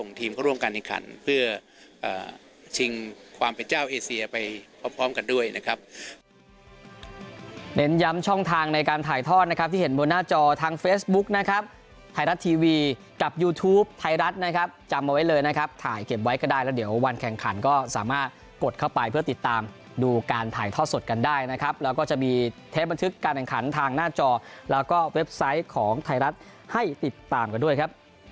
เน้นยำช่องทางในการถ่ายทอดนะครับที่เห็นบนหน้าจอทางเฟสบุ๊คนะครับไทยรัตน์ทีวีกับยูทูปไทยรัฐนะครับจำมาไว้เลยนะครับถ่ายเก็บไว้ก็ได้แล้วเดี๋ยววันแข่งขันก็สามารถกดเข้าไปเพื่อติดตามดูการถ่ายทอดสดกันได้นะครับแล้วก็จะมีเทปบันทึกการแข่งขันทางหน้าจอแล้วก็เว็บไซต์ของไทยร